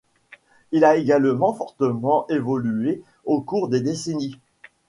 Elle a également fortement évolué au cours des décennies.